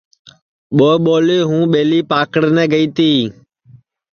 ٻو ٻولی ہوں ٻیلی پاکڑنے گئی تی